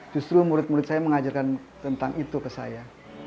justru murid murid saya mengajarkan tentang itu ke saya